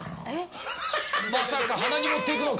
まさか鼻に持っていくのか。